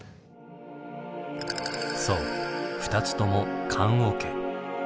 そう２つとも棺おけ。